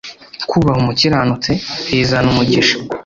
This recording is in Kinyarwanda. kubaha umukiranutse bizana umugisha